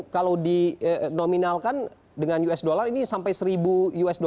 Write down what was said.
kalau dinominalkan dengan usd ini sampai seribu usd